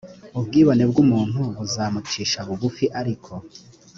ubwibone bw umuntu buzamucisha bugufi ariko